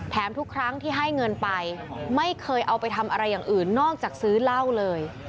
ทุกครั้งที่ให้เงินไปไม่เคยเอาไปทำอะไรอย่างอื่นนอกจากซื้อเหล้าเลย